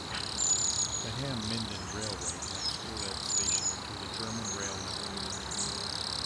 The Hamm-Minden railway connects Oelde station to the German rail network.